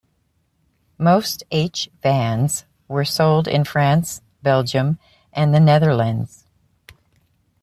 Most H Vans were sold in France, Belgium and the Netherlands.